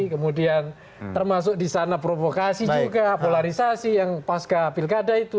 kemudian termasuk di sana provokasi juga polarisasi yang pasca pilkada itu